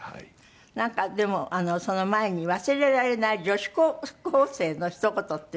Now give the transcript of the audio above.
なんかでもその前に忘れられない女子高校生のひと言っていうのが。